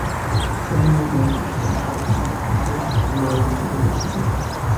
Fue miembro de la Institution of Civil Engineers y de varias sociedades científicas.